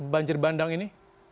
banjir bandang ini